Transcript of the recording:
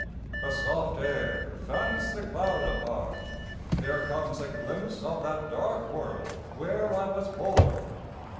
A soft air fans the cloud apart; there comes A glimpse of that dark world where I was born.